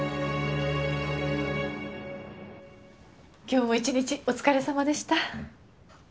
今日も一日お疲れさまでした。